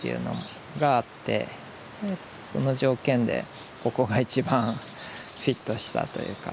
その条件でここが一番フィットしたというか。